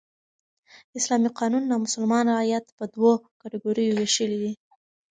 اسلامي قانون نامسلمان رعیت په دوو کېټه ګوریو ویشلى دئ.